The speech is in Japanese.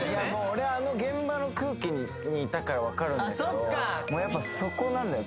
俺はあの現場の空気にいたから分かるんだけどもうやっぱそこなんだよ